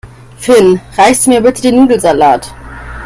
Finn, reichst du mir bitte den Nudelsalat?